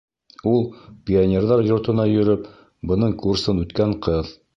Ул, пионерҙар йортона йөрөп, бының курсын үткән ҡыҙ.